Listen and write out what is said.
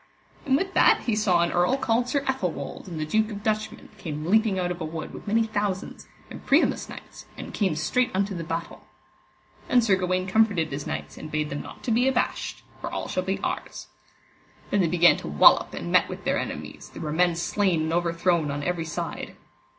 And with that he saw an earl called Sir Ethelwold and the duke of Dutchmen, came leaping out of a wood with many thousands, and Priamus' knights, and came straight unto the battle. Then Sir Gawaine comforted his knights, and bade them not to be abashed, for all shall be ours. Then they began to wallop and met with their enemies, there were men slain and overthrown on every side.